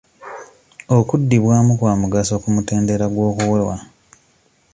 Okuddibwamu kwa mugaso ku mutendera gw'okuwewa.